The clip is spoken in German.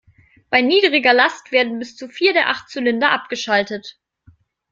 Bei niedriger Last werden bis zu vier der acht Zylinder abgeschaltet.